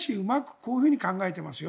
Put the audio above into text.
こういうふうに考えていますよ